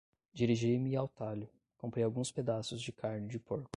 Dirigi-me ao talho. Comprei alguns pedaços de carne de porco.